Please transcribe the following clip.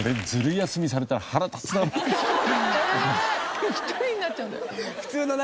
これ１人になっちゃうんだよ。